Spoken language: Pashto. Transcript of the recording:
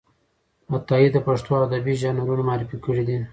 عطايي د پښتو ادبي ژانرونه معرفي کړي دي.